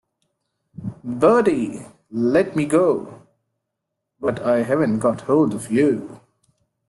'Bertie — let me go!' 'But I haven't got hold of you.'